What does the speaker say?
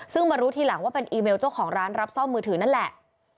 ซึ่งมารู้ทีหลังว่าเป็นอีเมลเจ้าของร้านรับซ่อมมือถือนั่นแหละ